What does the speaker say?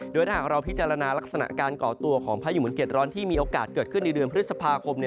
โดยถ้าหากเราพิจารณาลักษณะการก่อตัวของพายุเหมือนเด็ดร้อนที่มีโอกาสเกิดขึ้นในเดือนพฤษภาคม